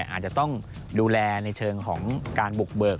อาจจะต้องดูแลในเชิงของการบุกเบิก